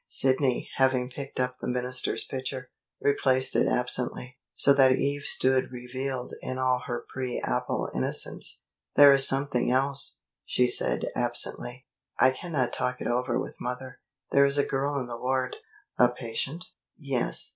Sidney, having picked up the minister's picture, replaced it absently, so that Eve stood revealed in all her pre apple innocence. "There is something else," she said absently. "I cannot talk it over with mother. There is a girl in the ward " "A patient?" "Yes.